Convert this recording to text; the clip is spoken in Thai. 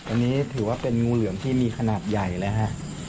อันนี้ถือว่าเป็นงูเหลือมที่มีขนาดใหญ่เลยฮะ